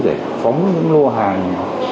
để phóng những lô hàng